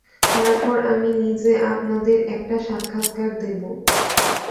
তারপর আমি নিজে আপনাদের একটা সাক্ষাৎকার দেবো।